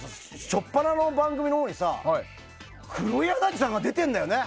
初っ端の番組のほうにさ黒柳さんが出てるんだよね。